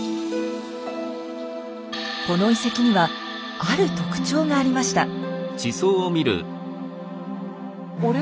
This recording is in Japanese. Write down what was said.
この遺跡にはある特徴がありました。